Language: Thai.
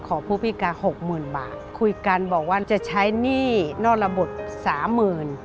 ขอภูมิพี่การที่๖๐๐๐๐บาทคุยกันบอกว่าจะใช้หนี้นอกระบุ๓๐๐๐๐บาท